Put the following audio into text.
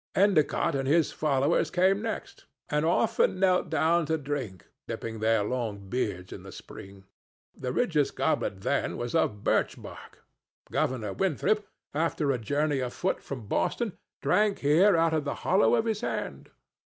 Endicott and his followers came next, and often knelt down to drink, dipping their long beards in the spring. The richest goblet then was of birch bark. Governor Winthrop, after a journey afoot from Boston, drank here out of the hollow of his hand.